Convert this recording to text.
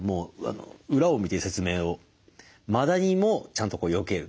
マダニもちゃんとよける。